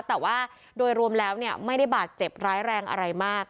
แต่ว่าโดยรวมแล้วไม่ได้บาดเจ็บร้ายแรงอะไรมาก